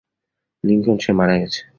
Lincoln, সে মারা গেছে।